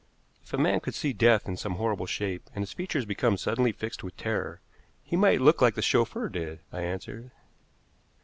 "If a man could see death in some horrible shape, and his features become suddenly fixed with terror, he might look like the chauffeur did," I answered.